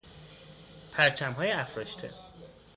پرچمهای افراشته